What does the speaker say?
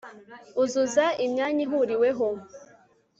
uzuza imyanya ihuriweho